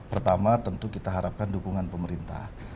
pertama tentu kita harapkan dukungan pemerintah